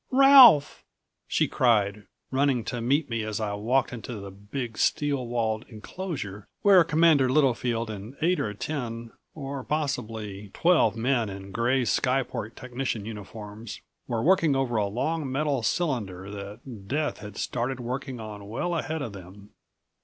19 "Ralph!" she cried, running to meet me as I walked into the big, steel walled enclosure where Commander Littlefield and eight or ten or possibly twelve men in gray skyport technician uniforms were working over a long metal cylinder that Death had started working on well ahead of them.